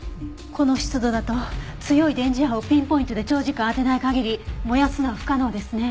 この湿度だと強い電磁波をピンポイントで長時間当てない限り燃やすのは不可能ですね。